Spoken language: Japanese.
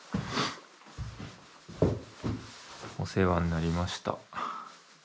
お世話になりました。